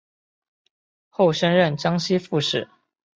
后升任江西副使。